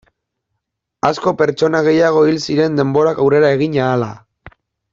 Asko pertsona gehiago hil ziren denborak aurrera egin ahala.